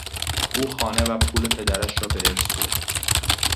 او خانه و پول پدرش را به ارث برد.